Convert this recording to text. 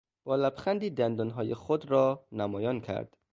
با لبخندی دندانهای خود را نمایان کرد.